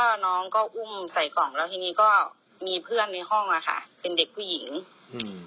ก็น้องก็อุ้มใส่กล่องแล้วทีนี้ก็มีเพื่อนในห้องอ่ะค่ะเป็นเด็กผู้หญิงอืม